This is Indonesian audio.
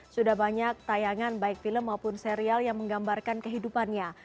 sudah banyak tayangan baik film maupun serial yang menggambarkan kehidupannya